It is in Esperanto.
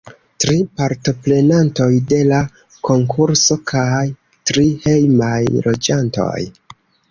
Tri partoprenantoj de la konkurso kaj tri hejmaj loĝantoj.